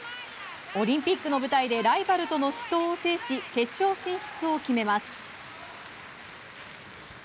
オリンピックの舞台でライバルとの死闘を制し決勝進出を決めます。